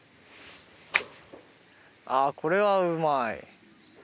あこれはうまい。